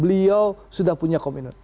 beliau sudah punya komitmen